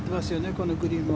このグリーンも。